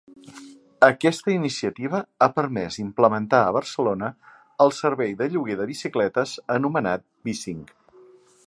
Aquesta iniciativa ha permès implantar a Barcelona el servei de lloguer de bicicletes anomenat Bicing.